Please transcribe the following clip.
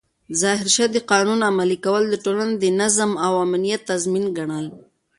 ظاهرشاه د قانون عملي کول د ټولنې د نظم او امنیت تضمین ګڼل.